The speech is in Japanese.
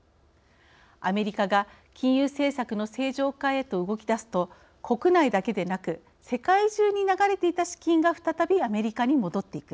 アメリカが金融政策の正常化へと動きだすと国内だけでなく世界中に流れていた資金が再びアメリカに戻っていく。